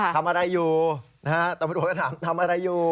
ทำอะไรอยู่นะฮะตำรวจก็ถามทำอะไรอยู่